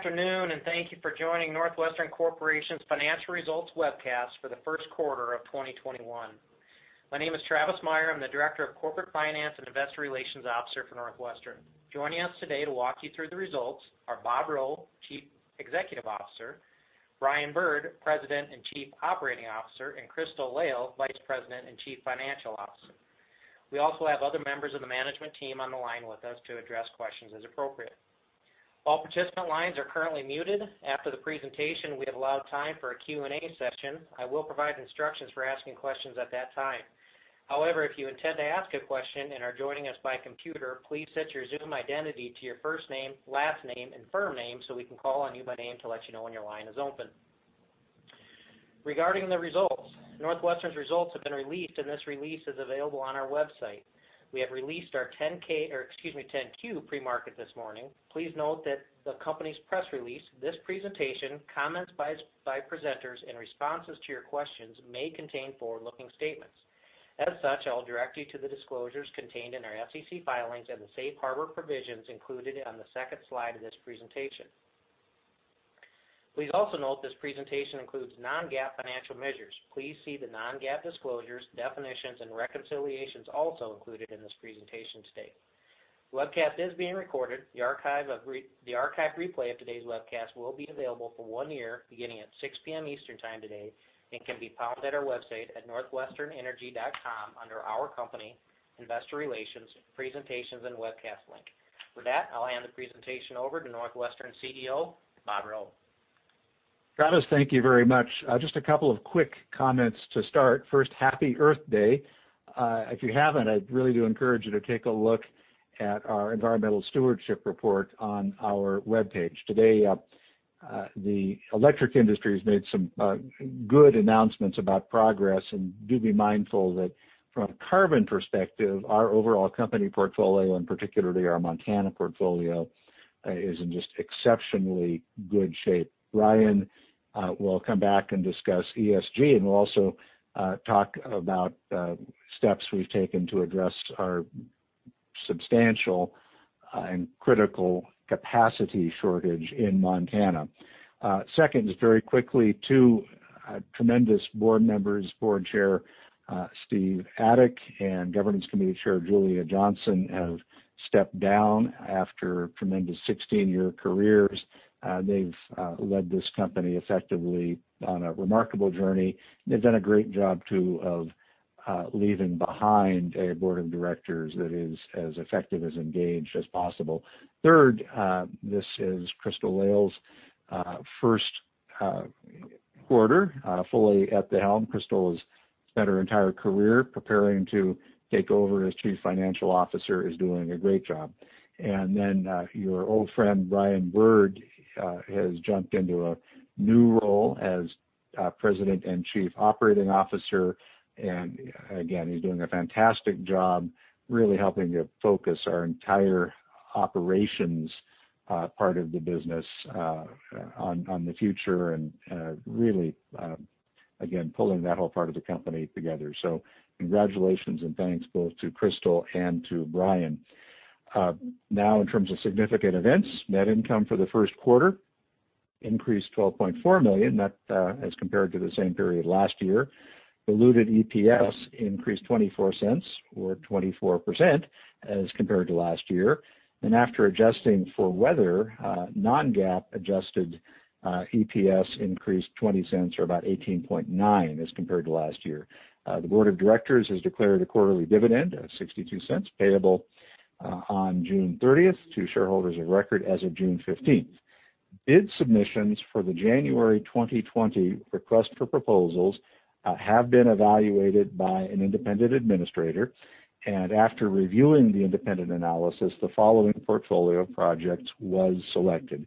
Afternoon, and thank you for joining NorthWestern Corporation's financial results webcast for the Q1 of 2021. My name is Travis Meyer. I'm the Director of Corporate Finance and Investor Relations Officer for NorthWestern. Joining us today to walk you through the results are Bob Rowe, Chief Executive Officer; Brian Bird, President and Chief Operating Officer; and Crystal Lail, Vice President and Chief Financial Officer. We also have other members of the management team on the line with us to address questions as appropriate. All participant lines are currently muted. After the presentation, we have allowed time for a Q&A session. I will provide instructions for asking questions at that time. However, if you intend to ask a question and are joining us by computer, please set your Zoom identity to your first name, last name, and firm name so we can call on you by name to let you know when your line is open. Regarding the results, NorthWestern's results have been released, and this release is available on our website. We have released our 10-K, or excuse me, 10-Q pre-market this morning. Please note that the company's press release, this presentation, comments by presenters, and responses to your questions may contain forward-looking statements. As such, I'll direct you to the disclosures contained in our SEC filings and the safe harbor provisions included on the second slide of this presentation. Please also note this presentation includes non-GAAP financial measures. Please see the non-GAAP disclosures, definitions, and reconciliations also included in this presentation today. Webcast is being recorded. The archive replay of today's webcast will be available for one year, beginning at 6:00 P.M. Eastern Time today, and can be found at our website at northwesternenergy.com under Our Company, Investor Relations, Presentations and Webcast link. With that, I'll hand the presentation over to NorthWestern CEO, Bob Rowe. Travis, thank you very much. Just a couple of quick comments to start. First, happy Earth Day. If you haven't, I really do encourage you to take a look at our environmental stewardship report on our webpage. Today, the electric industry has made some good announcements about progress. Do be mindful that from a carbon perspective, our overall company portfolio, and particularly our Montana portfolio, is in just exceptionally good shape. Brian will come back and discuss ESG, and we'll also talk about steps we've taken to address our substantial and critical capacity shortage in Montana. Second, just very quickly, two tremendous board members, Board Chair Stephen Adik and Governance Committee Chair Julia Johnson, have stepped down after tremendous 16-year careers. They've led this company effectively on a remarkable journey. They've done a great job, too, of leaving behind a board of directors that is as effective, as engaged as possible. Third, this is Crystal Lail's Q1 fully at the helm. Crystal has spent her entire career preparing to take over as Chief Financial Officer, is doing a great job. Your old friend, Brian Bird, has jumped into a new role as President and Chief Operating Officer. He's doing a fantastic job, really helping to focus our entire operations part of the business on the future and really, again, pulling that whole part of the company together. Congratulations and thanks both to Crystal and to Brian. In terms of significant events, net income for the Q1 increased to $12.4 million. That as compared to the same period last year. Diluted EPS increased $0.24 or 24% as compared to last year. After adjusting for weather, non-GAAP adjusted EPS increased $0.20 or about 18.9% as compared to last year. The board of directors has declared a quarterly dividend of $0.62 payable on June 30th to shareholders of record as of June 15th. Bid submissions for the January 2020 request for proposals have been evaluated by an independent administrator. After reviewing the independent analysis, the following portfolio project was selected.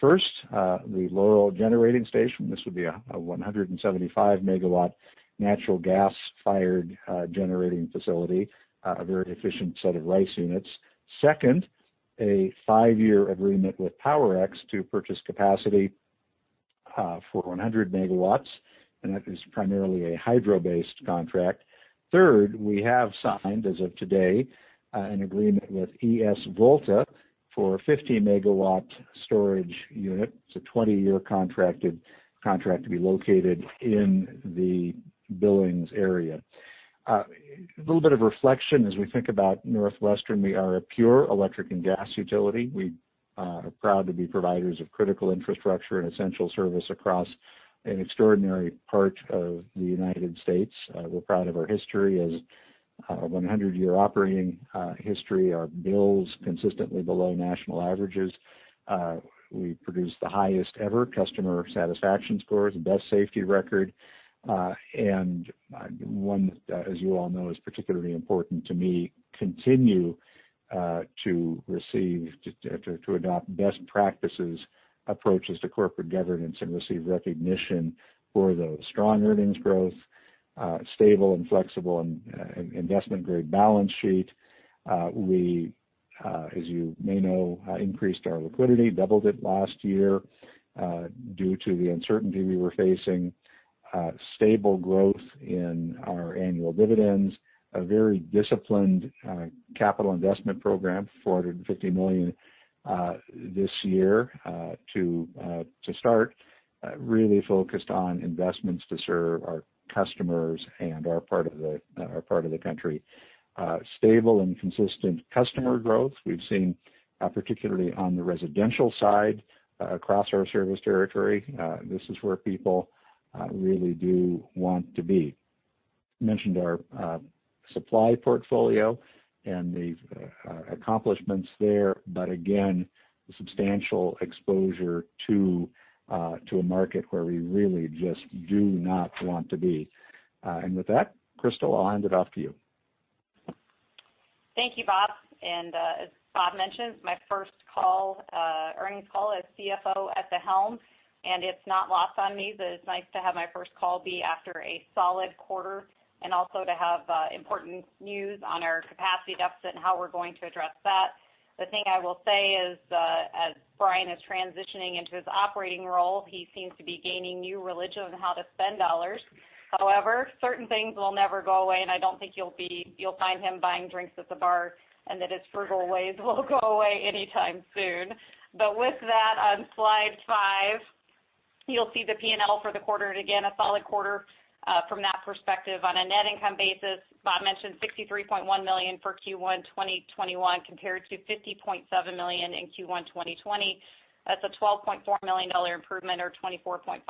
First, the Laurel Generating Station. This would be a 175 MW natural gas-fired generating facility, a very efficient set of RICE units. Second, a five-year agreement with Powerex to purchase capacity for 100 MW. That is primarily a hydro-based contract. Third, we have signed, as of today, an agreement with esVolta for a 50 MW storage unit. It's a 20-year contract to be located in the Billings area. A little bit of reflection as we think about NorthWestern, we are a pure electric and gas utility. We are proud to be providers of critical infrastructure and essential service across an extraordinary part of the U.S. We're proud of our history as a 100-year operating history. Our bill is consistently below national averages. We produce the highest ever customer satisfaction scores, the best safety record, and one that, as you all know, is particularly important to me, continue to adopt best practices, approaches to corporate governance, and receive recognition for the strong earnings growth, stable and flexible, and investment-grade balance sheet. We, as you may know, increased our liquidity, doubled it last year, due to the uncertainty we were facing. Stable growth in our annual dividends, a very disciplined capital investment program, $450 million this year to start, really focused on investments to serve our customers and our part of the country. Stable and consistent customer growth we've seen, particularly on the residential side, across our service territory. This is where people really do want to be. Mentioned our supply portfolio and the accomplishments there, but again, the substantial exposure to a market where we really just do not want to be. With that, Crystal, I'll hand it off to you. Thank you, Bob. As Bob mentioned, my first earnings call as CFO at the helm, and it's not lost on me that it's nice to have my first call be after a solid quarter, and also to have important news on our capacity deficit and how we're going to address that. The thing I will say is as Brian is transitioning into his operating role, he seems to be gaining new religion on how to spend dollars. However, certain things will never go away, and I don't think you'll find him buying drinks at the bar and that his frugal ways will go away anytime soon. With that, on slide five, you'll see the P&L for the quarter, and again, a solid quarter from that perspective. On a net income basis, Bob mentioned $63.1 million for Q1 2021 compared to $50.7 million in Q1 2020. That's a $12.4 million improvement or 24.5%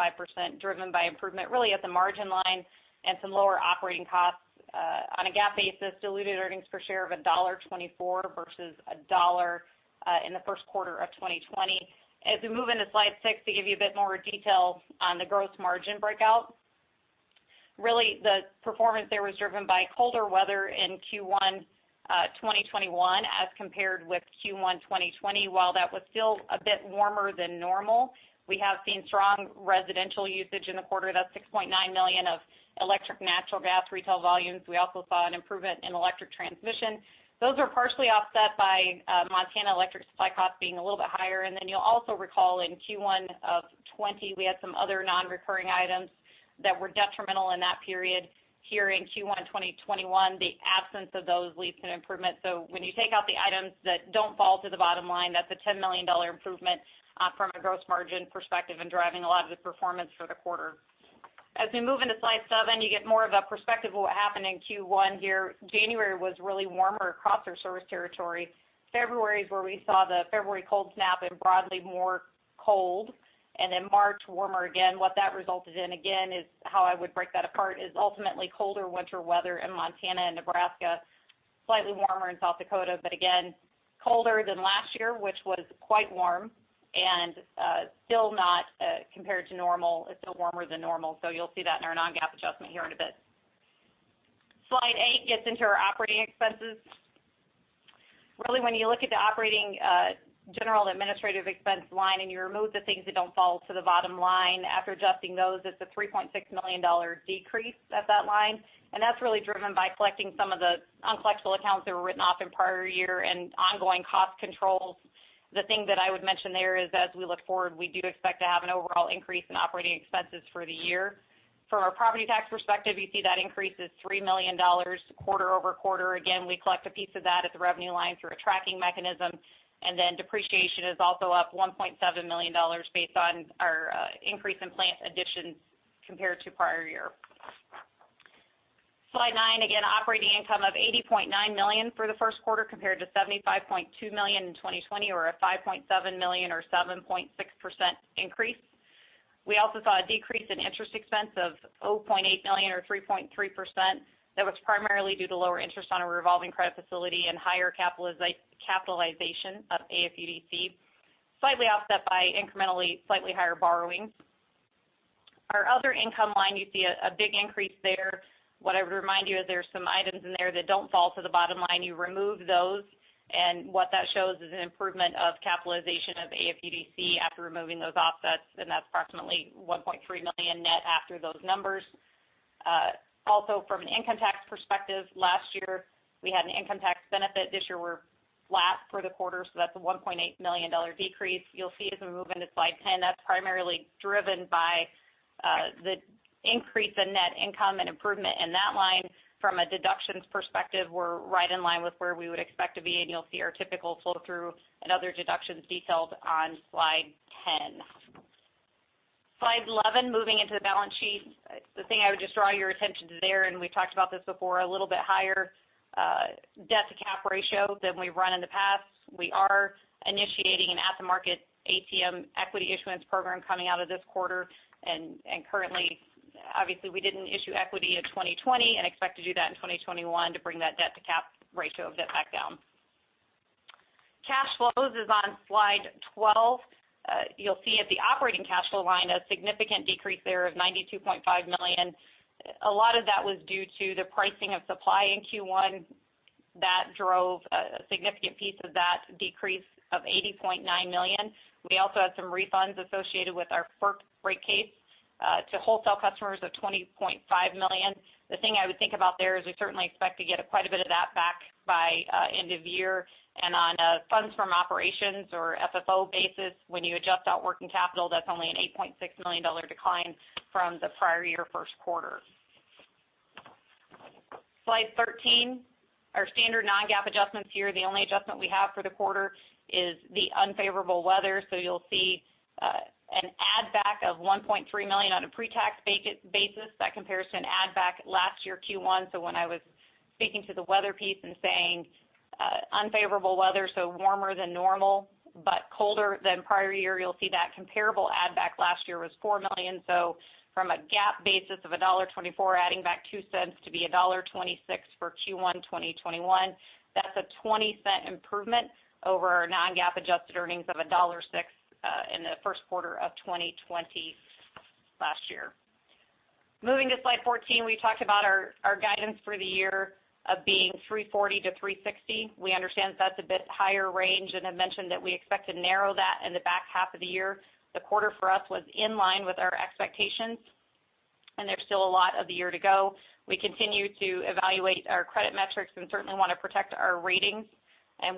driven by improvement really at the margin line and some lower operating costs. On a GAAP basis, diluted earnings per share of $1.24 versus $1 in the Q1 of 2020. As we move into slide six to give you a bit more detail on the gross margin breakout, really the performance there was driven by colder weather in Q1 2021 as compared with Q1 2020. While that was still a bit warmer than normal, we have seen strong residential usage in the quarter. That's $6.9 million of electric natural gas retail volumes. We also saw an improvement in electric transmission. Those are partially offset by Montana electric supply costs being a little bit higher. Then you'll also recall in Q1 of 2020, we had some other non-recurring items that were detrimental in that period. Here in Q1 2021, the absence of those leads to an improvement. When you take out the items that don't fall to the bottom line, that's a $10 million improvement from a gross margin perspective and driving a lot of the performance for the quarter. As we move into slide seven, you get more of a perspective of what happened in Q1 here. January was really warmer across our service territory. February is where we saw the February cold snap and broadly more cold, and in March, warmer again. What that resulted in, again, is how I would break that apart is ultimately colder winter weather in Montana and Nebraska, slightly warmer in South Dakota, but again, colder than last year, which was quite warm and still not compared to normal. It's still warmer than normal. You'll see that in our non-GAAP adjustment here in a bit. Slide eight gets into our operating expenses. Really when you look at the operating general administrative expense line and you remove the things that don't fall to the bottom line, after adjusting those, it's a $3.6 million decrease at that line, and that's really driven by collecting some of the uncollectible accounts that were written off in prior year and ongoing cost controls. The thing that I would mention there is, as we look forward, we do expect to have an overall increase in operating expenses for the year. From a property tax perspective, you see that increase is $3 million quarter-over-quarter. Again, we collect a piece of that at the revenue line through a tracking mechanism. And then depreciation is also up $1.7 million based on our increase in plant additions compared to prior year. Slide nine, again, operating income of $80.9 million for the Q1 compared to $75.2 million in 2020, or a $5.7 million or 7.6% increase. We also saw a decrease in interest expense of $0.8 million or 3.3%. That was primarily due to lower interest on a revolving credit facility and higher capitalization of AFUDC, slightly offset by incrementally slightly higher borrowings. Our other income line, you see a big increase there. What I would remind you is there's some items in there that don't fall to the bottom line. You remove those, what that shows is an improvement of capitalization of AFUDC after removing those offsets, that's approximately $1.3 million net after those numbers. From an income tax perspective, last year, we had an income tax benefit. This year we're flat for the quarter, that's a $1.8 million decrease. You'll see as we move into slide 10, that's primarily driven by the increase in net income and improvement in that line. From a deductions perspective, we're right in line with where we would expect to be, and you'll see our typical flow-through and other deductions detailed on slide 10. Slide 11, moving into the balance sheet. The thing I would just draw your attention to there, and we've talked about this before, a little bit higher debt-to-cap ratio than we've run in the past. We are initiating an at-the-market ATM equity issuance program coming out of this quarter, and currently, obviously, we didn't issue equity in 2020 and expect to do that in 2021 to bring that debt-to-cap ratio of debt back down. Cash flows is on slide 12. You'll see at the operating cash flow line a significant decrease there of $92.5 million. A lot of that was due to the pricing of supply in Q1. That drove a significant piece of that decrease of $80.9 million. We also had some refunds associated with our FERC rate case to wholesale customers of $20.5 million. The thing I would think about there is we certainly expect to get quite a bit of that back by end of year. On a funds from operations or FFO basis, when you adjust out working capital, that's only an $8.6 million decline from the prior year Q1. Slide 13. Our standard non-GAAP adjustments here, the only adjustment we have for the quarter is the unfavorable weather. You'll see an add back of $1.3 million on a pre-tax basis. That compares to an add back last year, Q1. When I was speaking to the weather piece and saying unfavorable weather, so warmer than normal, but colder than prior year, you'll see that comparable add back last year was $4 million. From a GAAP basis of $1.24, adding back $0.02 to be $1.26 for Q1 2021. That's a $0.20 improvement over our non-GAAP adjusted earnings of $1.06 in the Q1 of 2020 last year. Moving to slide 14, we talked about our guidance for the year of being $3.40-$3.60. We understand that's a bit higher range and have mentioned that we expect to narrow that in the back half of the year. The quarter for us was in line with our expectations, and there's still a lot of the year to go. We continue to evaluate our credit metrics and certainly want to protect our ratings.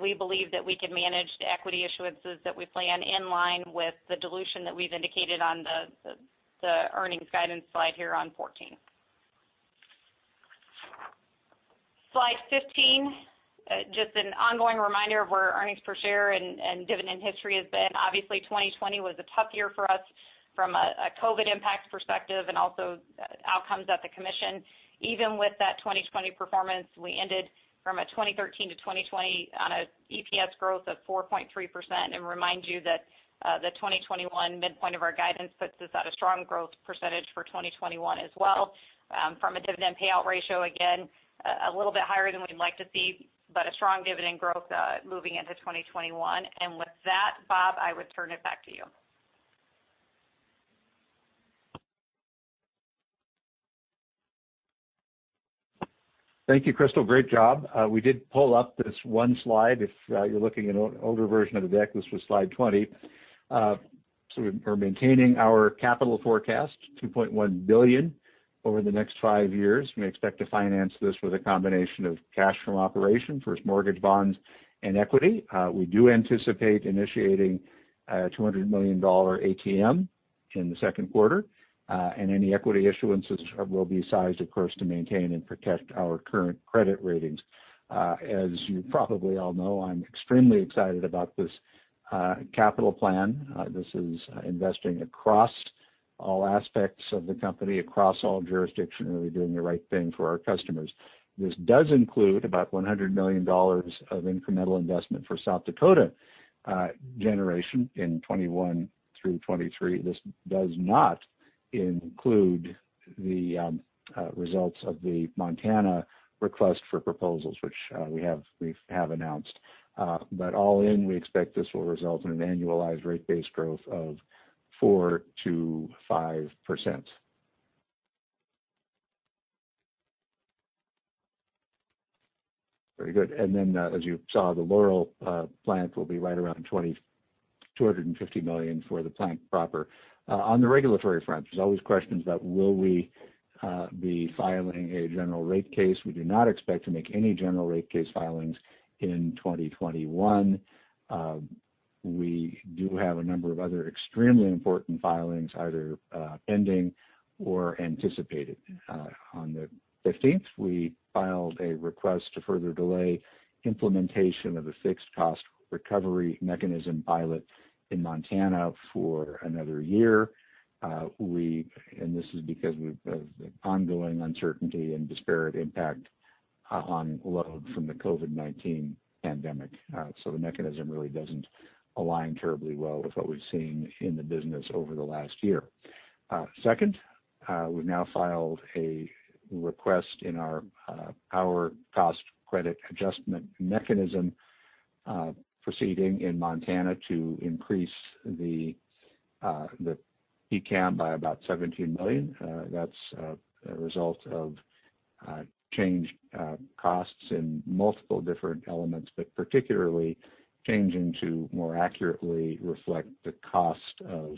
We believe that we can manage the equity issuances that we plan in line with the dilution that we've indicated on the earnings guidance slide here on 14. Slide 15, just an ongoing reminder of where earnings per share and dividend history has been. Obviously, 2020 was a tough year for us from a COVID impacts perspective and also outcomes at the Commission. Even with that 2020 performance, we ended from a 2013-2020 on a EPS growth of 4.3%. Remind you that the 2021 midpoint of our guidance puts us at a strong growth percentage for 2021 as well. From a dividend payout ratio, again, a little bit higher than we'd like to see, but a strong dividend growth moving into 2021. With that, Bob, I would turn it back to you. Thank you, Crystal. Great job. We did pull up this one slide. If you're looking at an older version of the deck, this was slide 20. We're maintaining our capital forecast, $2.1 billion over the next five years. We expect to finance this with a combination of cash from operations, first mortgage bonds, and equity. We do anticipate initiating a $200 million ATM in the Q2. Any equity issuances will be sized, of course, to maintain and protect our current credit ratings. As you probably all know, I'm extremely excited about this capital plan. This is investing across all aspects of the company, across all jurisdictions, and really doing the right thing for our customers. This does include about $100 million of incremental investment for South Dakota generation in 2021 through 2023. This does not include the results of the Montana request for proposals, which we have announced. All in, we expect this will result in an annualized rate base growth of 4%-5%. Very good. Then, as you saw, the Laurel plant will be right around $250 million for the plant proper. On the regulatory front, there's always questions about will we be filing a general rate case. We do not expect to make any general rate case filings in 2021. We do have a number of other extremely important filings either pending or anticipated. On the 15th, we filed a request to further delay implementation of a fixed cost recovery mechanism pilot in Montana for another year. This is because of the ongoing uncertainty and disparate impact on load from the COVID-19 pandemic. The mechanism really doesn't align terribly well with what we've seen in the business over the last year. Second, we've now filed a request in our Power Cost and Credit Adjustment Mechanism proceeding in Montana to increase the PCCAM by $17 million. That's a result of changed costs in multiple different elements, but particularly changing to more accurately reflect the cost of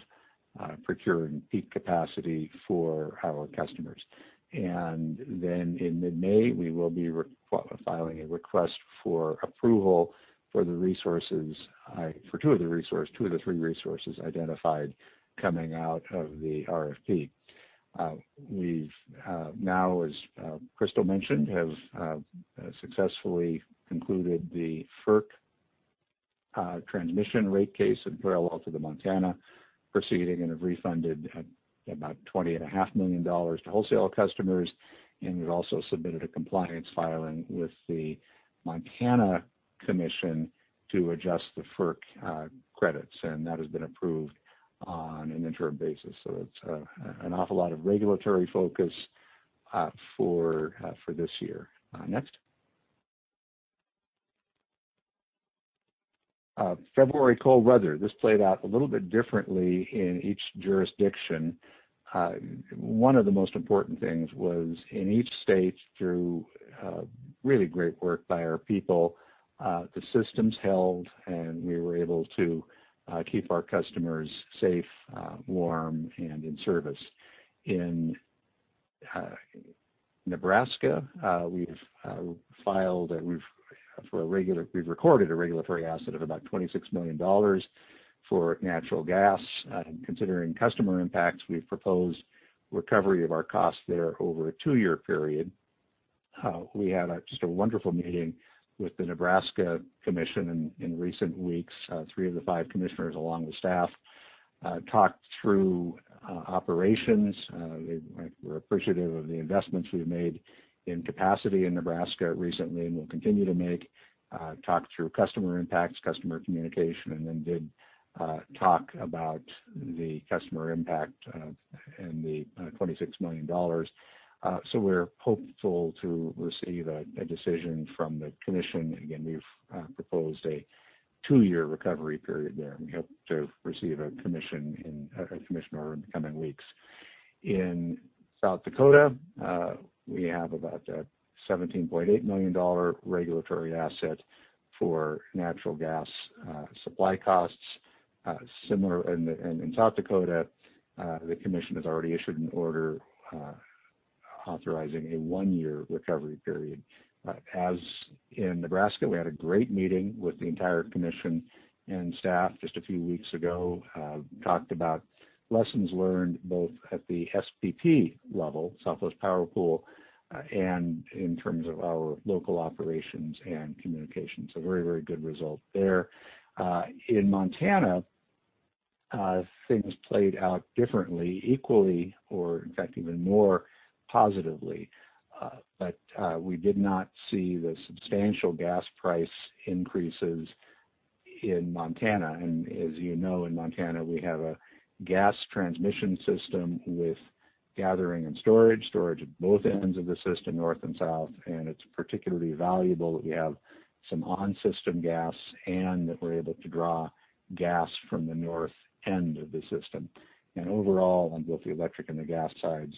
procuring peak capacity for our customers. In mid-May, we will be filing a request for approval for two of the three resources identified coming out of the RFP. We've now, as Crystal mentioned, have successfully concluded the FERC transmission rate case in parallel to the Montana proceeding and have refunded $20.5 million to wholesale customers. We've also submitted a compliance filing with the Montana Commission to adjust the FERC credits, and that has been approved on an interim basis. It's an awful lot of regulatory focus for this year. Next. February cold weather. This played out a little bit differently in each jurisdiction. One of the most important things was in each state, through really great work by our people, the systems held, and we were able to keep our customers safe, warm, and in service. In Nebraska, we've recorded a regulatory asset of about $26 million for natural gas. Considering customer impacts, we've proposed recovery of our costs there over a two-year period. We had just a wonderful meeting with the Nebraska Public Service Commission in recent weeks. Three of the five commissioners, along with staff, talked through operations. They were appreciative of the investments we've made in capacity in Nebraska recently, and will continue to make, talked through customer impacts, customer communication, did talk about the customer impact and the $26 million. We're hopeful to receive a decision from the commission. Again, we've proposed a two-year recovery period there, and we hope to receive a commission or in the coming weeks. In South Dakota, we have about a $17.8 million regulatory asset for natural gas supply costs. Similar in South Dakota, the commission has already issued an order authorizing a one-year recovery period. As in Nebraska, we had a great meeting with the entire commission and staff just a few weeks ago, talked about lessons learned both at the SPP level, Southwest Power Pool, and in terms of our local operations and communication. Very good result there. In Montana, things played out differently, equally, or in fact, even more positively. We did not see the substantial gas price increases in Montana. As you know, in Montana, we have a gas transmission system with gathering and storage at both ends of the system, north and south. It's particularly valuable that we have some on-system gas, and that we're able to draw gas from the north end of the system. Overall, on both the electric and the gas sides,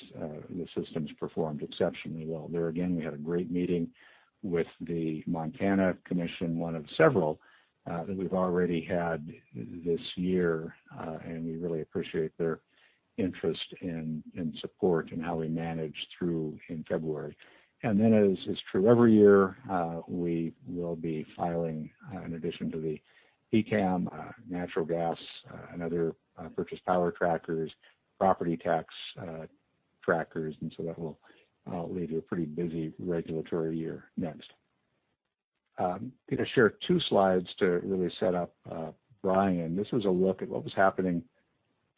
the system's performed exceptionally well. There again, we had a great meeting with the Montana Commission, one of several that we've already had this year. We really appreciate their interest and support in how we managed through in February. Then as is true every year, we will be filing, in addition to the ECAM, natural gas, and other purchase power trackers, property tax trackers, that will lead to a pretty busy regulatory year next. Going to share two slides to really set up Brian. This is a look at what was happening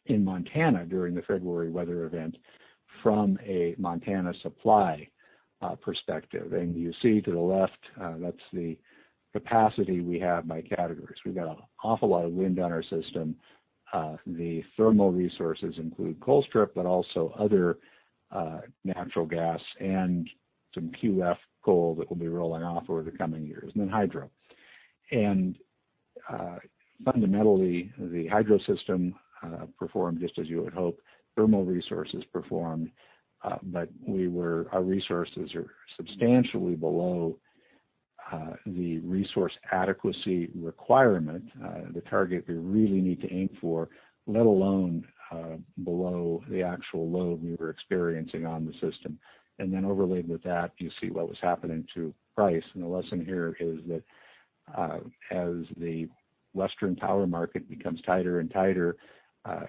in Montana during the February weather event from a Montana supply perspective. You see to the left, that's the capacity we have by categories. We've got an awful lot of wind on our system. The thermal resources include Colstrip, but also other natural gas and some QF coal that will be rolling off over the coming years, and then hydro. Fundamentally, the hydro system performed just as you would hope. Thermal resources performed, but our resources are substantially below the resource adequacy requirement, the target we really need to aim for, let alone below the actual load we were experiencing on the system. Then overlaid with that, you see what was happening to price. The lesson here is that as the Western power market becomes tighter and tighter,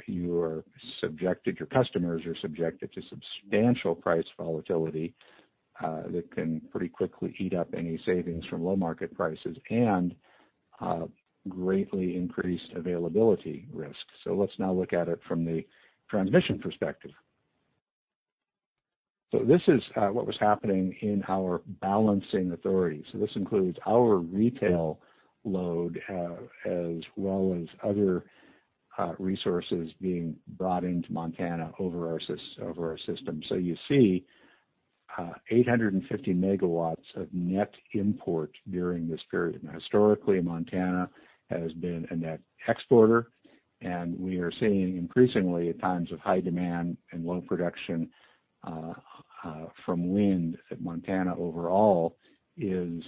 your customers are subjected to substantial price volatility that can pretty quickly eat up any savings from low market prices, and greatly increased availability risk. Let's now look at it from the transmission perspective. This is what was happening in our balancing authority. This includes our retail load, as well as other resources being brought into Montana over our system. You see 850 MW of net import during this period. Historically, Montana has been a net exporter, and we are seeing increasingly at times of high demand and low production from wind, that Montana overall is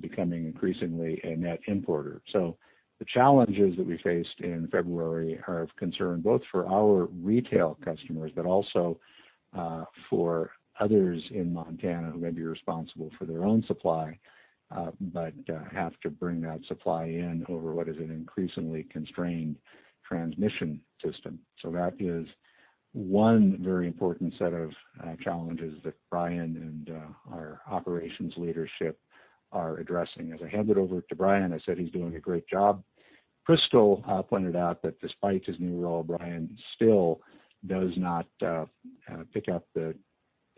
becoming increasingly a net importer. The challenges that we faced in February are of concern both for our retail customers, but also for others in Montana who may be responsible for their own supply, but have to bring that supply in over what is an increasingly constrained transmission system. That is one very important set of challenges that Brian and our operations leadership are addressing. As I hand it over to Brian, I said he's doing a great job. Crystal pointed out that despite his new role, Brian still does not pick up the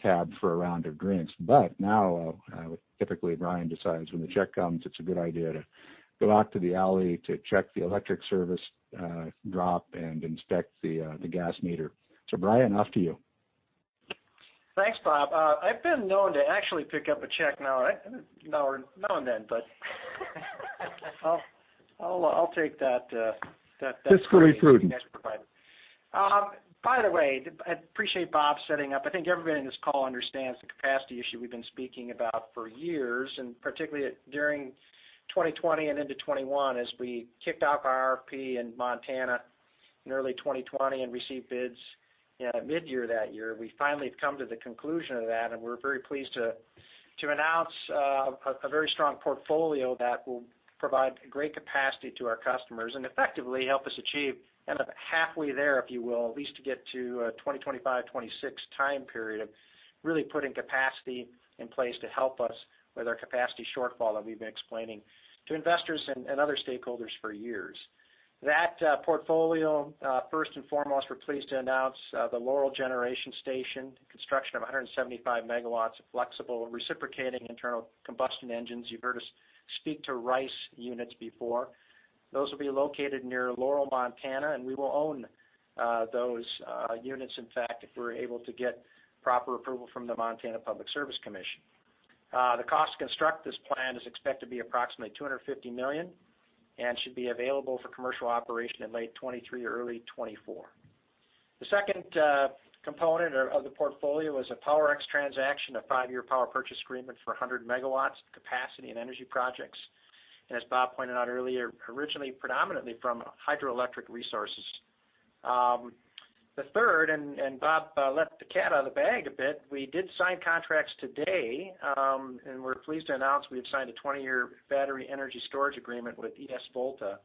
tab for a round of drinks. Now, typically Brian decides when the check comes, it's a good idea to go out to the alley to check the electric service drop and inspect the gas meter. Brian, off to you. Thanks, Bob. I've been known to actually pick up a check now and then, but I'll take that. Fiscally prudent next provided. By the way, I appreciate Bob setting up. I think everybody in this call understands the capacity issue we've been speaking about for years, and particularly during 2020 and into 2021, as we kicked off our RFP in Montana in early 2020 and received bids midyear that year. We finally have come to the conclusion of that, and we're very pleased to announce a very strong portfolio that will provide great capacity to our customers, and effectively help us achieve end up halfway there, if you will, at least to get to 2025, 2026 time period of really putting capacity in place to help us with our capacity shortfall that we've been explaining to investors and other stakeholders for years. That portfolio, first and foremost, we're pleased to announce the Laurel Generating Station, construction of 175 MW of flexible reciprocating internal combustion engines. You've heard us speak to RICE units before. Those will be located near Laurel, Montana, and we will own those units, in fact, if we're able to get proper approval from the Montana Public Service Commission. The cost to construct this plant is expected to be approximately $250 million, and should be available for commercial operation in late 2023, early 2024. The second component of the portfolio is a Powerex transaction, a five-year Power Purchase Agreement for 100 MW capacity and energy projects, as Bob pointed out earlier, originally predominantly from hydroelectric resources. The third, Bob let the cat out of the bag a bit, we did sign contracts today, and we're pleased to announce we have signed a 20-year battery energy storage agreement with esVolta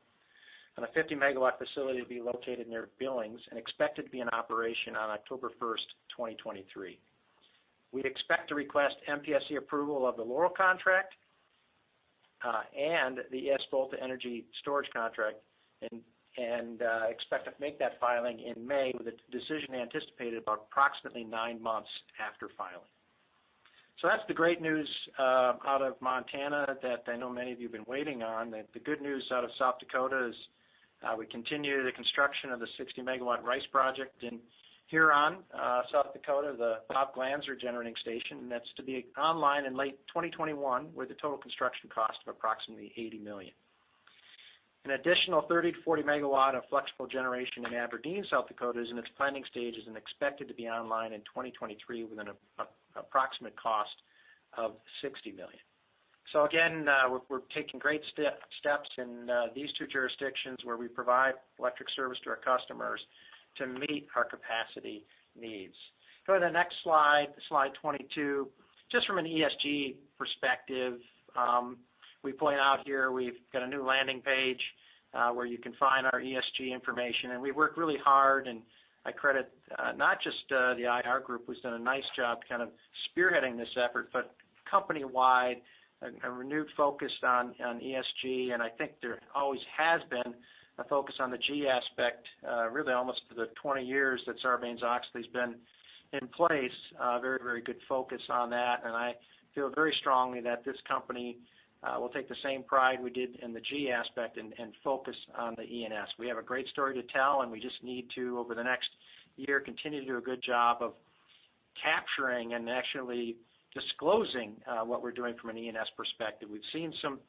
on a 50-MW facility to be located near Billings, and expected to be in operation on October 1st, 2023. We'd expect to request MPSC approval of the Laurel contract, the esVolta energy storage contract, expect to make that filing in May, with the decision anticipated about approximately nine months after filing. That's the great news out of Montana that I know many of you have been waiting on. The good news out of South Dakota is we continue the construction of the 60-MW RICE project in Huron, South Dakota, the Bob Glanzer Generating Station, that's to be online in late 2021, with a total construction cost of approximately $80 million. An additional 30-40 MW of flexible generation in Aberdeen, South Dakota, is in its planning stages and expected to be online in 2023, with an approximate cost of $60 million. Again, we're taking great steps in these two jurisdictions where we provide electric service to our customers to meet our capacity needs. Go to the next slide 22. From an ESG perspective, we point out here we've got a new landing page where you can find our ESG information. We work really hard, and I credit not just the IR group, who's done a nice job kind of spearheading this effort, but company-wide, a renewed focus on ESG. I think there always has been a focus on the G aspect, really almost for the 20 years that Sarbanes-Oxley's been in place. A very good focus on that, and I feel very strongly that this company will take the same pride we did in the G aspect and focus on the E and S. We have a great story to tell, and we just need to, over the next year, continue to do a good job of capturing and actually disclosing what we're doing from an E and S perspective. We've seen some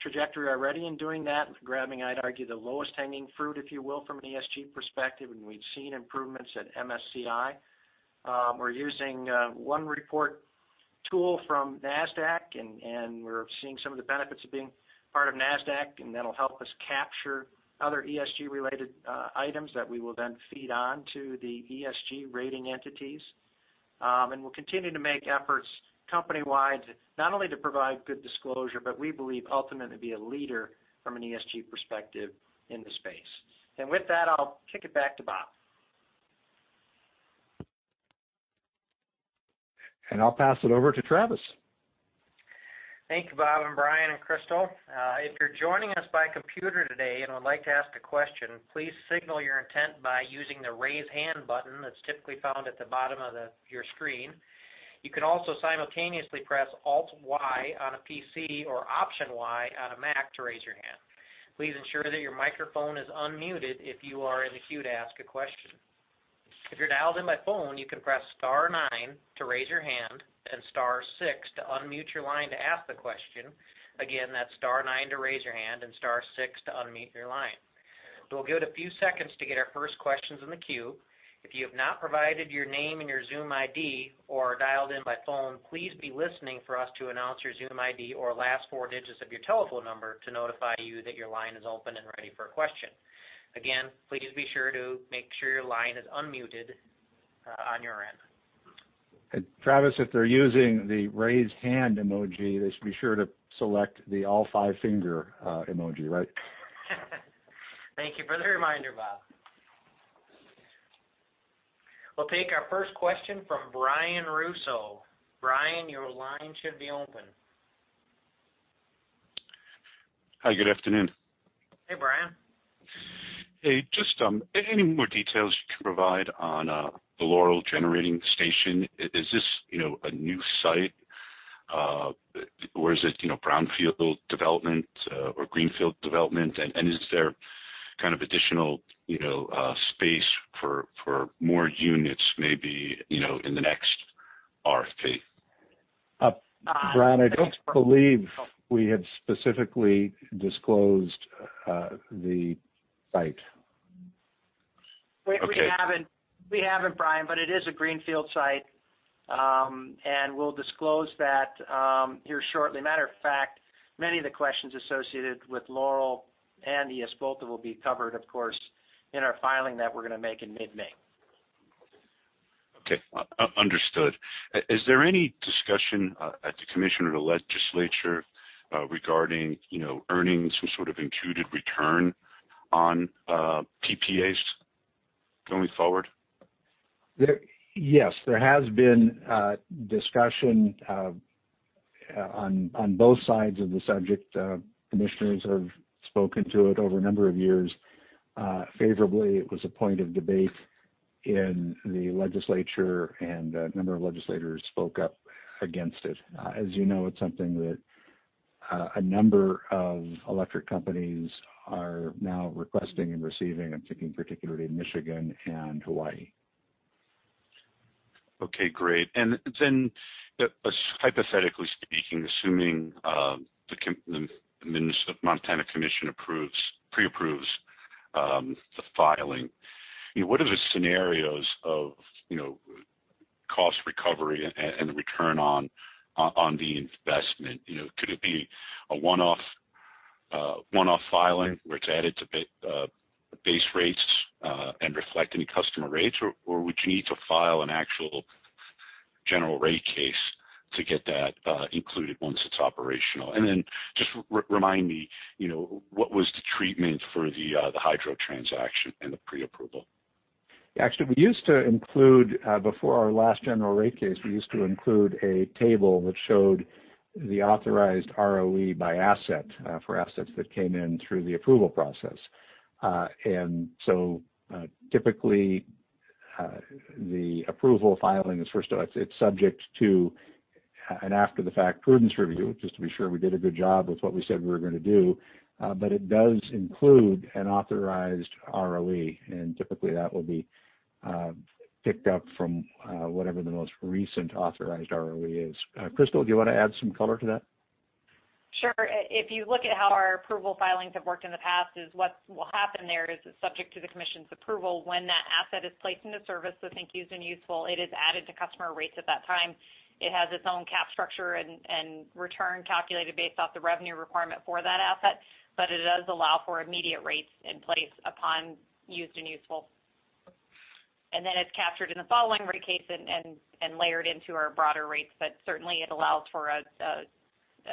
trajectory already in doing that, grabbing, I'd argue, the lowest hanging fruit, if you will, from an ESG perspective, and we've seen improvements at MSCI. We're using one report tool from Nasdaq, and we're seeing some of the benefits of being part of Nasdaq, and that'll help us capture other ESG-related items that we will then feed on to the ESG-rating entities. We'll continue to make efforts company-wide, not only to provide good disclosure, but we believe ultimately be a leader from an ESG perspective in the space. With that, I'll kick it back to Bob. I'll pass it over to Travis. Thank you, Bob and Brian and Crystal. If you're joining us by computer today and would like to ask a question, please signal your intent by using the Raise Hand button that's typically found at the bottom of your screen. You can also simultaneously press Alt + Y on a PC or Option + Y on a Mac to raise your hand. Please ensure that your microphone is unmuted if you are in the queue to ask a question. If you're dialed in by phone, you can press star nine to raise your hand and star six to unmute your line to ask the question. Again, that's star nine to raise your hand and star six to unmute your line. We'll give it a few seconds to get our first questions in the queue. If you have not provided your name and your Zoom ID or are dialed in by phone, please be listening for us to announce your Zoom ID or last four digits of your telephone number to notify you that your line is open and ready for a question. Again, please be sure to make sure your line is unmuted on your end. Travis, if they're using the raise hand emoji, they should be sure to select the all five finger emoji, right? Thank you for the reminder, Bob. We'll take our first question from Brian Russo. Brian, your line should be open. Hi, good afternoon. Hey, Brian. Just any more details you can provide on the Laurel Generating Station? Is this a new site? Is it brownfield development or greenfield development? Is there kind of additional space for more units, maybe in the next RFP? Brian, I don't believe we had specifically disclosed the site. We haven't, Brian, but it is a greenfield site, and we'll disclose that here shortly. Matter of fact, many of the questions associated with Laurel and the esVolta will be covered, of course, in our filing that we're going to make in mid-May. Okay. Understood. Is there any discussion at the commission or the legislature regarding earnings or sort of intruded return on PPAs going forward? Yes, there has been discussion on both sides of the subject. Commissioners have spoken to it over a number of years favorably. It was a point of debate in the legislature, and a number of legislators spoke up against it. As you know, it's something that a number of electric companies are now requesting and receiving. I'm thinking particularly Michigan and Hawaii. Okay, great. Hypothetically speaking, assuming the Montana Commission pre-approves the filing, what are the scenarios of cost recovery and return on the investment? Could it be a one-off filing where it's added to base rates and reflect any customer rates? Would you need to file an actual general rate case to get that included once it's operational? Just remind me, what was the treatment for the hydro transaction and the pre-approval? Actually, before our last general rate case, we used to include a table which showed the authorized ROE by asset for assets that came in through the approval process. Typically, the approval filing is first, it's subject to an after-the-fact prudence review, just to be sure we did a good job with what we said we were going to do. It does include an authorized ROE, and typically that will be picked up from whatever the most recent authorized ROE is. Crystal, do you want to add some color to that? Sure. If you look at how our approval filings have worked in the past is what will happen there is, it's subject to the commission's approval. When that asset is placed into service, so think used and useful, it is added to customer rates at that time. It has its own cap structure and return calculated based off the revenue requirement for that asset, but it does allow for immediate rates in place upon used and useful. Then it's captured in the following rate case and layered into our broader rates. Certainly, it allows for an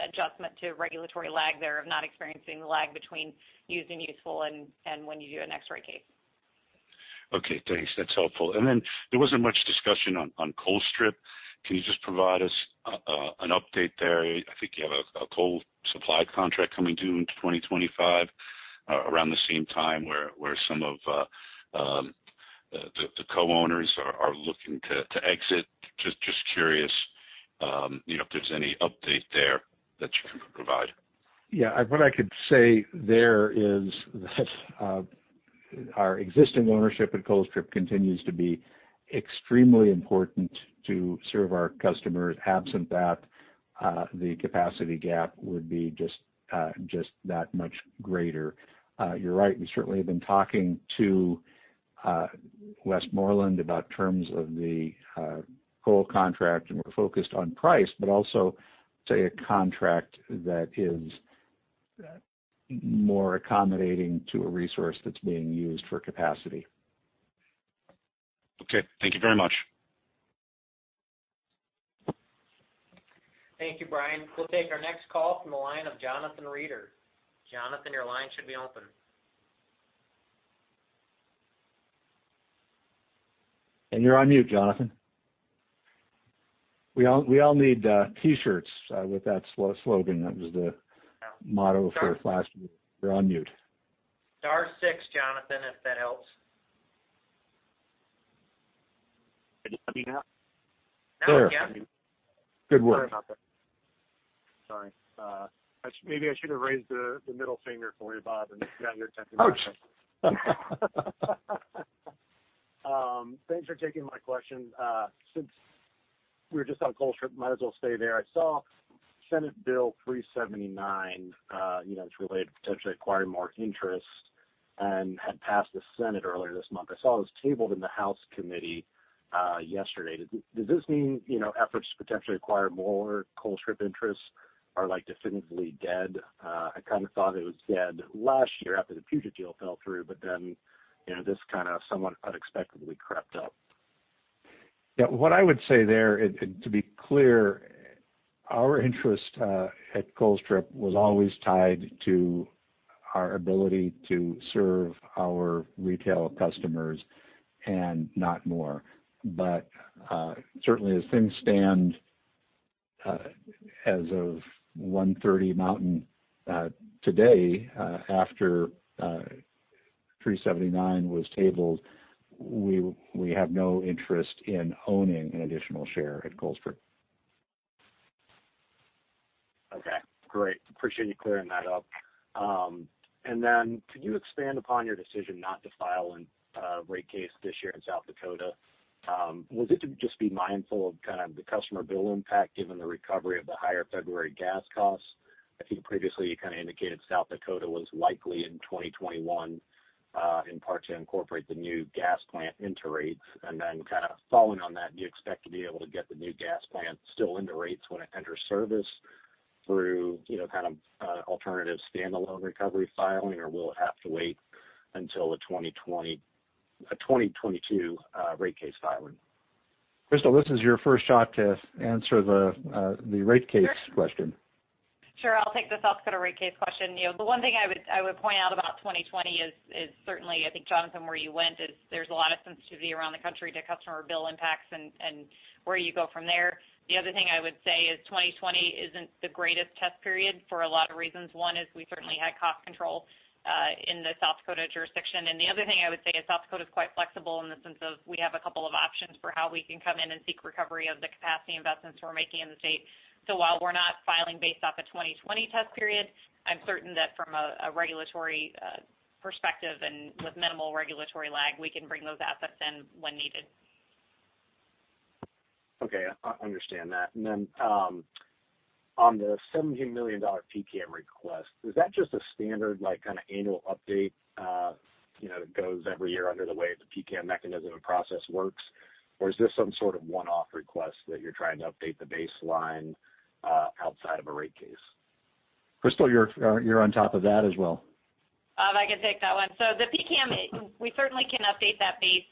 adjustment to regulatory lag there of not experiencing the lag between used and useful and when you do a next rate case. Okay, thanks. That's helpful. There wasn't much discussion on Colstrip. Can you just provide us an update there? I think you have a coal supply contract coming due in 2025, around the same time where some of the co-owners are looking to exit. Just curious if there's any update there that you can provide. Yeah. What I could say there is that our existing ownership at Colstrip continues to be extremely important to serve our customers. Absent that, the capacity gap would be just that much greater. You're right, we certainly have been talking to Westmoreland about terms of the coal contract, and we're focused on price, but also say a contract that is more accommodating to a resource that's being used for capacity. Okay. Thank you very much. Thank you, Brian. We'll take our next call from the line of Jonathan Reeder. Jonathan, your line should be open. You're on mute, Jonathan. We all need T-shirts with that slogan. You're on mute. Star six, Jonathan, if that helps. Can you hear me now? Now we can. There. Good work. Sorry about that. Sorry. Maybe I should have raised the middle finger for you, Bob, and got your attention that way. Ouch. Thanks for taking my question. Since we're just on Colstrip, might as well stay there. I saw Senate Bill 379, it's related to potentially acquiring more interest and had passed the Senate earlier this month. I saw it was tabled in the House committee yesterday. Does this mean efforts to potentially acquire more Colstrip interests are definitively dead? I kind of thought it was dead last year after the Puget deal fell through, then this kind of somewhat unexpectedly crept up. What I would say there, to be clear, our interest at Colstrip was always tied to our ability to serve our retail customers and not more. Certainly, as things stand as of 1:30 Mountain today, after 379 was tabled, we have no interest in owning an additional share at Colstrip. Okay, great. Appreciate you clearing that up. Could you expand upon your decision not to file a rate case this year in South Dakota? Was it to just be mindful of the customer bill impact given the recovery of the higher February gas costs? I think previously you indicated South Dakota was likely in 2021, in part to incorporate the new gas plant into rates. Following on that, do you expect to be able to get the new gas plant still into rates when it enters service through alternative standalone recovery filing? We'll have to wait until the 2022 rate case filing? Crystal, this is your first shot to answer the rate case question. Sure. I'll take the South Dakota rate case question. The one thing I would point out about 2020 is certainly, I think, Jonathan, where you went is there's a lot of sensitivity around the country to customer bill impacts and where you go from there. The other thing I would say is 2020 isn't the greatest test period for a lot of reasons. One is we certainly had cost control, in the South Dakota jurisdiction. The other thing I would say is South Dakota is quite flexible in the sense of we have a couple of options for how we can come in and seek recovery of the capacity investments we're making in the state. While we're not filing based off a 2020 test period, I'm certain that from a regulatory perspective and with minimal regulatory lag, we can bring those assets in when needed. Okay. I understand that. On the $17 million PCCAM request, is that just a standard annual update, that goes every year under the way the PCCAM mechanism and process works? Is this some sort of one-off request that you're trying to update the baseline, outside of a rate case? Crystal, you're on top of that as well. I can take that one. The PCCAM, we certainly can update that base.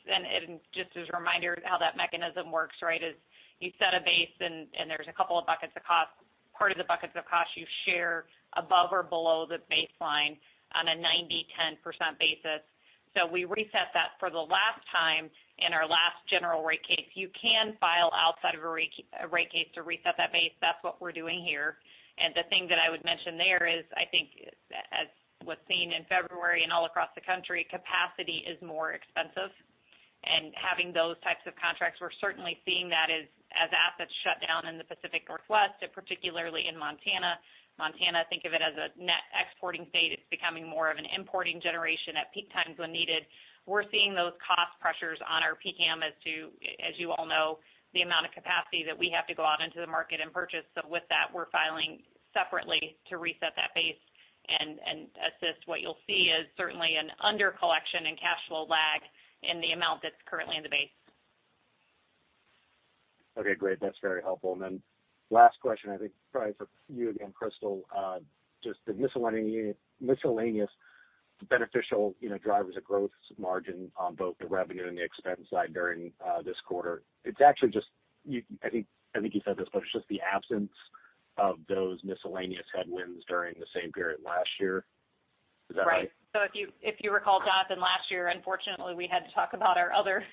Just as a reminder of how that mechanism works, right, is you set a base and there's a couple of buckets of cost. Part of the buckets of cost you share above or below the baseline on a 90%/10% basis. We reset that for the last time in our last general rate case. You can file outside of a rate case to reset that base. That's what we're doing here. The thing that I would mention there is, I think as was seen in February and all across the country, capacity is more expensive. Having those types of contracts, we're certainly seeing that as assets shut down in the Pacific Northwest and particularly in Montana. Montana, think of it as a net exporting state. It's becoming more of an importing generation at peak times when needed. We're seeing those cost pressures on our PCCAM as to, as you all know, the amount of capacity that we have to go out into the market and purchase. With that, we're filing separately to reset that base and assist. What you'll see is certainly an under collection and cash flow lag in the amount that's currently in the base. Okay, great. That's very helpful. Last question, I think probably for you again, Crystal, just the miscellaneous beneficial drivers of growth margin on both the revenue and the expense side during this quarter. It's actually just, I think you said this, but it's just the absence of those miscellaneous headwinds during the same period last year. Is that right? Right. If you recall, Jonathan, last year, unfortunately, we had to talk about our other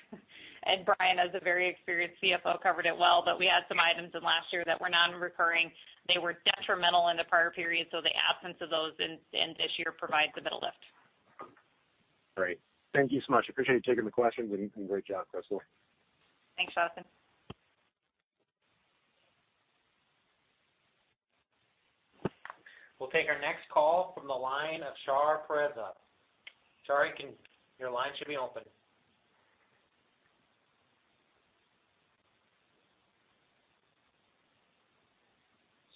and Brian, as a very experienced CFO, covered it well. We had some items in last year that were non-recurring. They were detrimental in the prior period. The absence of those in this year provides a bit of lift. Great. Thank you so much. Appreciate you taking the questions and great job, Crystal. Thanks, Jonathan. We'll take our next call from the line of Shar Pourreza. Shar, your line should be open.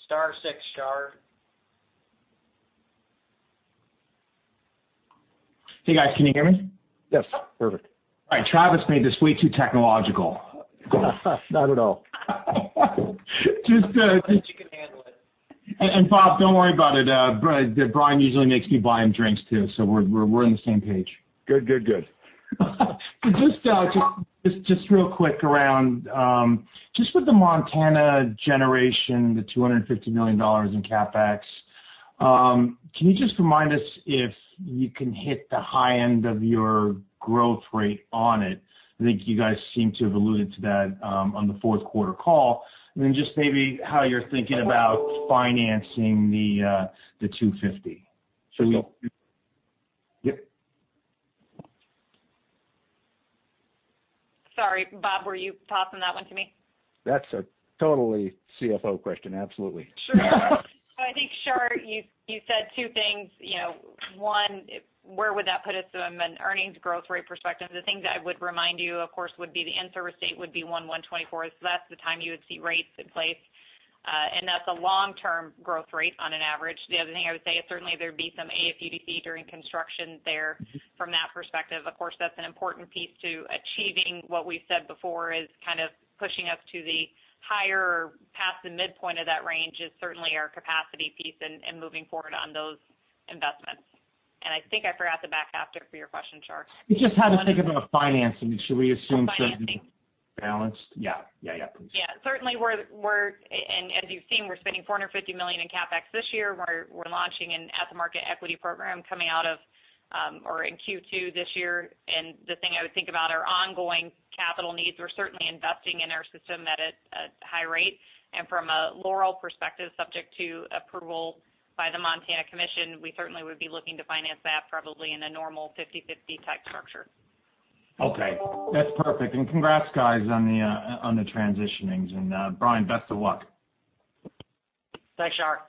Star six, Shar. Hey, guys. Can you hear me? Yes. Perfect. All right. Travis made this way too technological. Not at all. Just- I think you can handle it. Bob, don't worry about it. Brian usually makes me buy him drinks, too, so we're on the same page. Good. Just real quick around, just with the Montana generation, the $250 million in CapEx, can you just remind us if you can hit the high end of your growth rate on it? I think you guys seem to have alluded to that on the Q4 call. Then just maybe how you're thinking about financing the $250. Sure. Yep. Sorry, Bob, were you tossing that one to me? That's a totally CFO question. Absolutely. Sure. I think, Shar, you said two things. One, where would that put us from an earnings growth rate perspective? The thing that I would remind you, of course, would be the in-service date would be 1/1/24. That's the time you would see rates in place. That's a long-term growth rate on an average. The other thing I would say is certainly there'd be some AFUDC during construction there from that perspective. Of course, that's an important piece to achieving what we've said before is kind of pushing us to the higher, past the midpoint of that range is certainly our capacity piece and moving forward on those investments. I think I forgot the back half there for your question, Shar. It's just how to think about financing. Oh, financing. Yeah. Yeah. Certainly, as you've seen, we're spending $450 million in CapEx this year. We're launching an at-the-market equity program coming out of, or in Q2 this year. The thing I would think about are ongoing capital needs. We're certainly investing in our system at a high rate. From a Laurel perspective, subject to approval by the Montana Commission, we certainly would be looking to finance that probably in a normal 50/50 type structure. Okay. That's perfect. Congrats guys on the transitioning. Brian, best of luck. Thanks, Shar.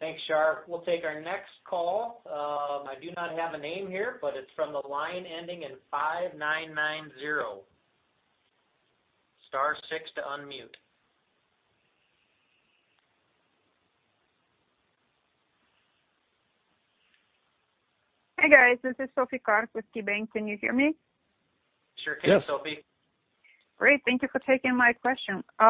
Thanks, Shar. We'll take our next call. I do not have a name here, but it's from the line ending in 5990. Star six to unmute. Hi, guys. This is Sophie Carr with KeyBanc. Can you hear me? Sure can, Sophie. Yes. Great. Thank you for taking my question. A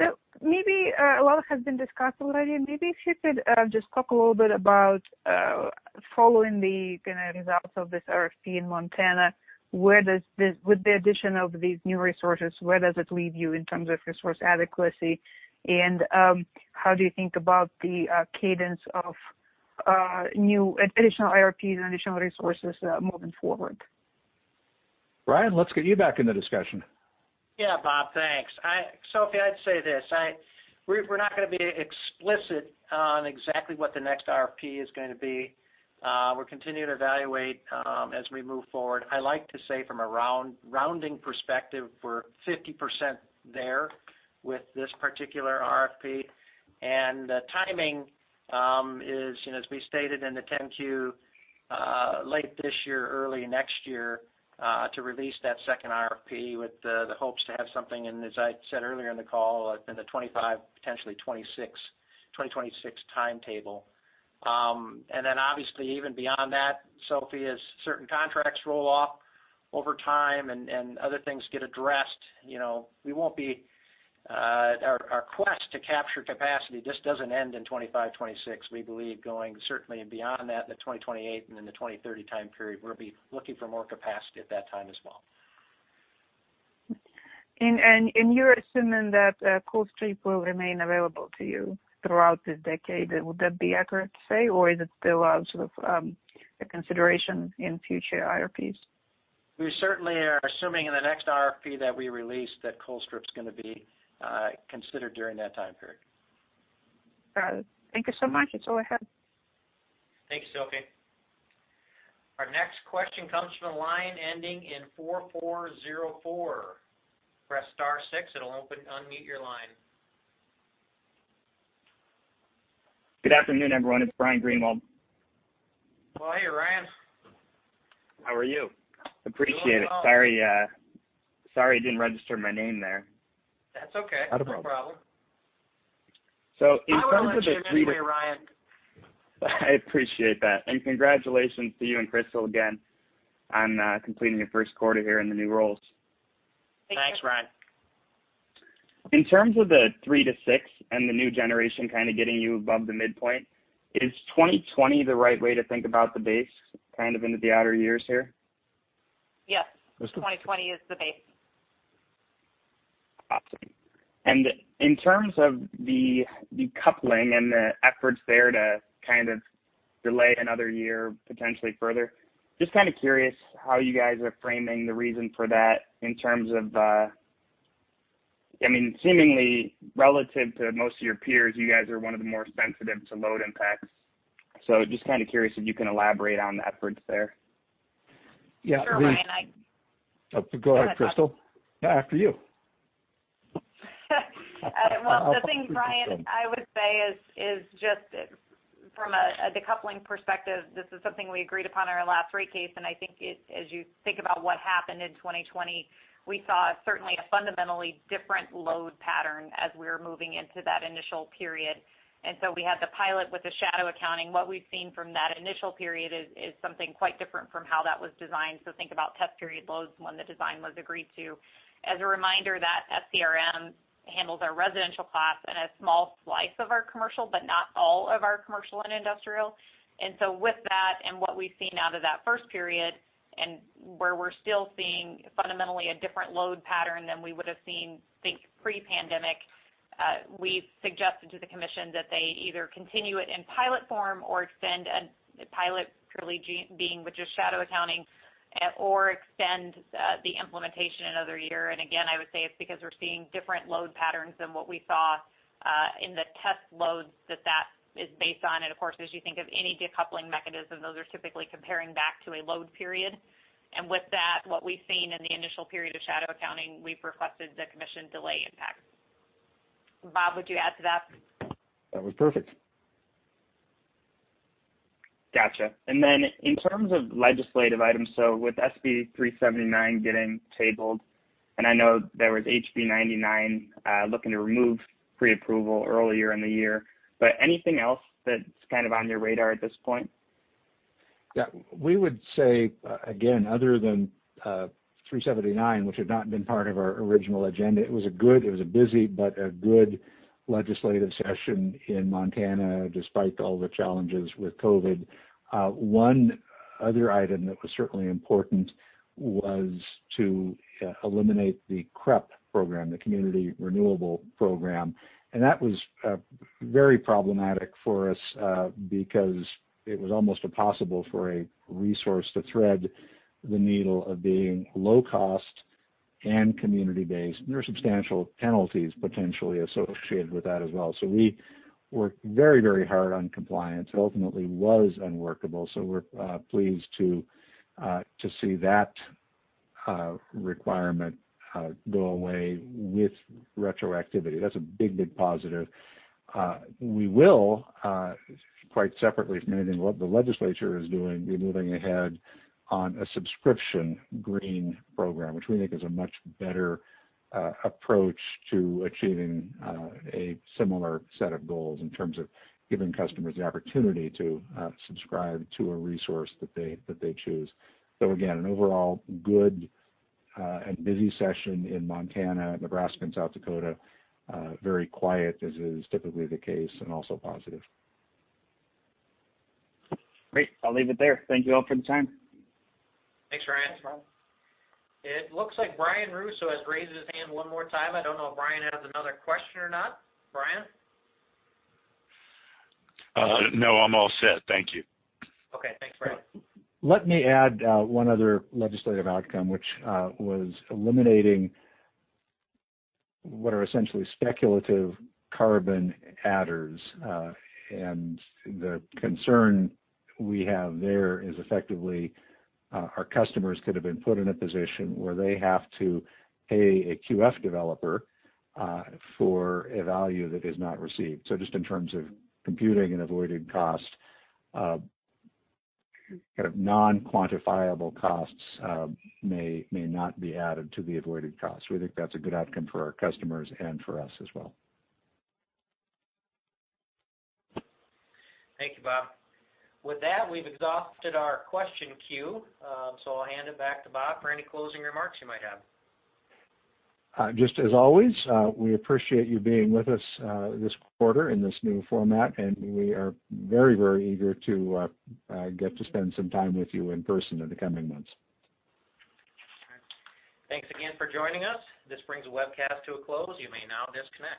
lot has been discussed already. Maybe if you could just talk a little bit about, following the results of this RFP in Montana, with the addition of these new resources, where does it leave you in terms of resource adequacy? How do you think about the cadence of additional IRPs and additional resources moving forward? Brian, let's get you back in the discussion. Yeah, Bob. Thanks. Sophie, I'd say this. We're not going to be explicit on exactly what the next RFP is going to be. We're continuing to evaluate as we move forward. I like to say from a rounding perspective, we're 50% there with this particular RFP. The timing is, as we stated in the 10-Q, late this year, early next year to release that second RFP with the hopes to have something in, as I said earlier in the call, in the 2025, potentially 2026 timetable. Then obviously even beyond that, Sophie, as certain contracts roll off over time and other things get addressed, our quest to capture capacity just doesn't end in 2025, 2026. We believe going certainly beyond that, in the 2028 and in the 2030 time period, we'll be looking for more capacity at that time as well. You're assuming that Colstrip will remain available to you throughout this decade. Would that be accurate to say, or is it still out of consideration in future IRPs? We certainly are assuming in the next RFP that we release that Colstrip's going to be considered during that time period. Got it. Thank you so much. That is all I had. Thanks, Sophie. Our next question comes from the line ending in 4404. Press star six, it'll unmute your line. Good afternoon, everyone. It's Brian Greenwald. Oh, hey, Brian. How are you? Appreciate it. Sorry, it didn't register my name there. That's okay. Not a problem. No problem. So in terms of the three- I would let you in anyway, Brian. I appreciate that. Congratulations to you and Crystal again on completing your Q1 here in the new roles. Thanks, Brian. In terms of the three to six and the new generation kind of getting you above the midpoint, is 2020 the right way to think about the base into the outer years here? Yes. 2020 is the base. Awesome. In terms of the decoupling and the efforts there to delay another year potentially further, just curious how you guys are framing the reason for that in terms of, seemingly relative to most of your peers, you guys are one of the more sensitive to load impacts. Just curious if you can elaborate on the efforts there. Sure, Brian. Go ahead, Crystal. Go ahead, Bob. No, after you. The thing, Brian, I would say is just from a decoupling perspective, this is something we agreed upon our last rate case, I think as you think about what happened in 2020, we saw certainly a fundamentally different load pattern as we were moving into that initial period. We had the pilot with the shadow accounting. What we've seen from that initial period is something quite different from how that was designed. Think about test period loads when the design was agreed to. As a reminder, that FCRM handles our residential class and a small slice of our commercial, but not all of our commercial and industrial. With that and what we've seen out of that first period, and where we're still seeing fundamentally a different load pattern than we would've seen, think pre-pandemic, we've suggested to the commission that they either continue it in pilot form or extend a pilot purely being with just shadow accounting or extend the implementation another year. Again, I would say it's because we're seeing different load patterns than what we saw in the test loads that is based on. Of course, as you think of any decoupling mechanism, those are typically comparing back to a load period. With that, what we've seen in the initial period of shadow accounting, we've requested the commission delay impact. Bob, would you add to that? That was perfect. Got you. In terms of legislative items, so with SB 379 getting tabled, and I know there was HB 99 looking to remove pre-approval earlier in the year, but anything else that's on your radar at this point? Yeah. We would say, again, other than 379, which had not been part of our original agenda, it was a busy but a good legislative session in Montana despite all the challenges with COVID. One other item that was certainly important was to eliminate the CREP program, the Community Renewable Energy Program. That was very problematic for us because it was almost impossible for a resource to thread the needle of being low cost and community-based. There are substantial penalties potentially associated with that as well. We worked very hard on compliance. It ultimately was unworkable, so we're pleased to see that requirement go away with retroactivity. That's a big positive. We will, quite separately from anything the legislature is doing, be moving ahead on a subscription green program, which we think is a much better approach to achieving a similar set of goals in terms of giving customers the opportunity to subscribe to a resource that they choose. Again, an overall good and busy session in Montana, Nebraska, and South Dakota. Very quiet, as is typically the case, and also positive. Great. I'll leave it there. Thank you all for the time. Thanks, Brian. Thanks, Brian. It looks like Brian Russo has raised his hand one more time. I don't know if Brian has another question or not. Brian? No, I'm all set. Thank you. Okay. Thanks, Brian. Let me add one other legislative outcome, which was eliminating what are essentially speculative carbon adders. The concern we have there is effectively our customers could have been put in a position where they have to pay a QF developer for a value that is not received. Just in terms of computing and avoided cost, non-quantifiable costs may not be added to the avoided cost. We think that's a good outcome for our customers and for us as well. Thank you, Bob. With that, we've exhausted our question queue. I'll hand it back to Bob for any closing remarks you might have. Just as always, we appreciate you being with us this quarter in this new format, and we are very eager to get to spend some time with you in person in the coming months. All right. Thanks again for joining us. This brings the webcast to a close. You may now disconnect.